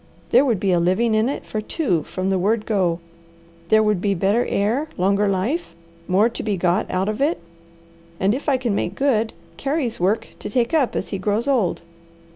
There would be a living in it for two from the word go. There would be better air, longer life, more to be got out of it, and if I can make good, Carey's work to take up as he grows old."